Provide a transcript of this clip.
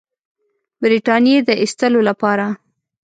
برټانیې د ایستلو لپاره.